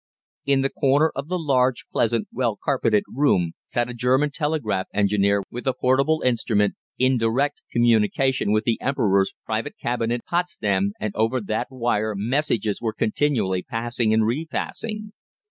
In the corner of the large, pleasant, well carpeted room sat a German telegraph engineer with a portable instrument, in direct communication with the Emperor's private cabinet at Potsdam, and over that wire messages were continually passing and repassing.